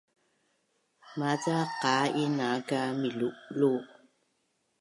Maca qaa’ inaaka milu’lu’